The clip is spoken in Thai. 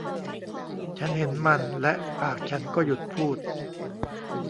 ฉันเห็นมันและปากฉันก็หยุดพูด